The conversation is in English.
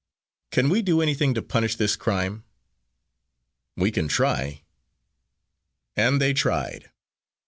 "Can we do anything to punish this crime?" "We can try." And they tried.